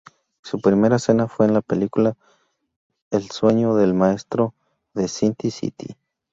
Su primera escena fue en la película el "Sueño del Maestro" de Sin City.